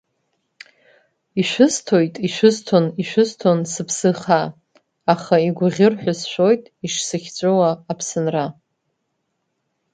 Ишәысҭоит, ишәысҭон, ишәысҭон сыԥсы хаа, аха игәыӷьыр ҳәа сшәоит ишсыхьҵәыуа Аԥсынра.